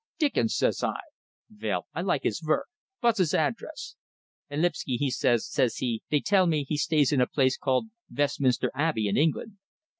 'Dickens?' says I. 'Vell, I like his verk. Vot's his address?' And Lipsky, he says, says he, 'Dey tell me he stays in a place called Vestminster Abbey, in England.'